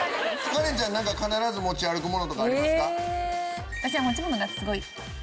カレンちゃん何か必ず持ち歩くものとかありますか？